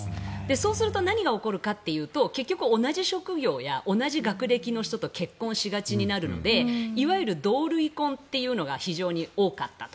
そうすると何が起こるかというと結局、同じ職業や同じ学歴の人と結婚しがちになるのでいわゆる同類婚というのが非常に多かったと。